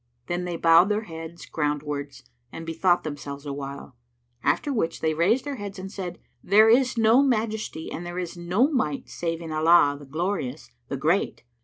Then they bowed their heads groundwards and bethought themselves awhile; after which they raised their heads and said, "There is no Majesty and there is no Might save in Allah, the Glorious, the Great!"